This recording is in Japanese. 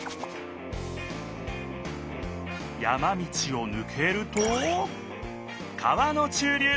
山道をぬけると川の中流。